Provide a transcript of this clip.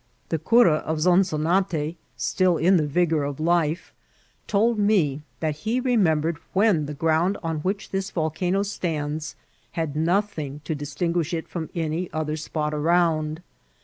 The cura of Zonzonate, still in the vigour of life, told me that he remembered when the ground on which this volcano stands had nothing to distinguish it from any other spot around.